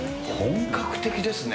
本格的ですね。